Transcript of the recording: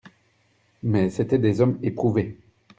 Mais c'étaient des hommes éprouvés.